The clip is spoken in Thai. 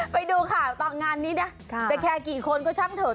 ไปดูค่ะต่องานนี้เนี่ยไปแคร์กี่คนก็ช่างเถอะ